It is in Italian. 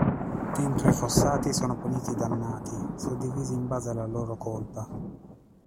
Dentro i fossati sono puniti i dannati, suddivisi in base alla loro colpa.